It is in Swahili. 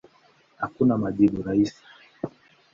Hakuna majibu rahisi.